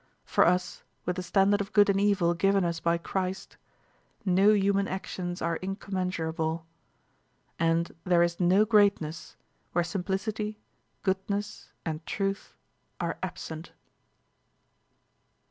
For us with the standard of good and evil given us by Christ, no human actions are incommensurable. And there is no greatness where simplicity, goodness, and truth are absent.